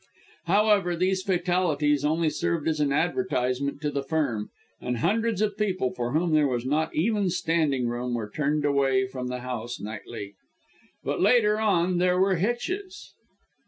However, these fatalities only served as an advertisement to the firm, and hundreds of people, for whom there was not even standing room, were turned away from the house nightly. But later on there were hitches.